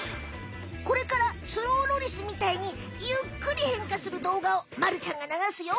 これからスローロリスみたいにゆっくり変化するどうがをまるちゃんがながすよ。